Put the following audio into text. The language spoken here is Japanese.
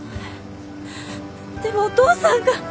でもお父さんが。